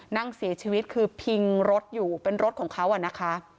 นั่งเสียชีวิตคือพิงรถอยู่เป็นรถของเขาอะนะคะ